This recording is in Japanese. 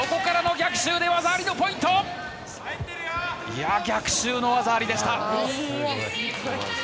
逆襲の技ありでした。